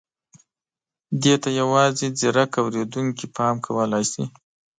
دې ته یوازې ځيرک اورېدونکي پام کولای شي.